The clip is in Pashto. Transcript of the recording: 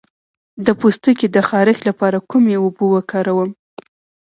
د پوستکي د خارښ لپاره کومې اوبه وکاروم؟